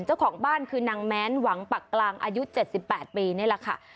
เจ้าของบ้านคือนางแม้นหวังปักกลางอายุ๗๘ปีนี่แหละค่ะ